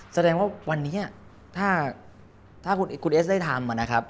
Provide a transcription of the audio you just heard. แสดงว่าวันนี้ถ้าคุณเอสได้ทำ